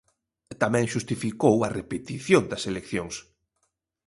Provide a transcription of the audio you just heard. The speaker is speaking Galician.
Tamén xustificou a repetición das eleccións.